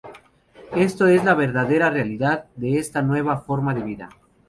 Esto es la verdadera realidad de esta nueva "forma de vida".